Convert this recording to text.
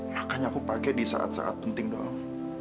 makanya aku pakai di saat saat penting doang